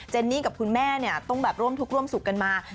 นี่กับคุณแม่ต้องแบบร่วมทุกข์ร่วมสุขกันมา